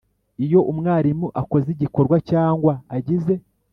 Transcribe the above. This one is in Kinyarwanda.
Iyo umwarimu akoze igikorwa cyangwa agize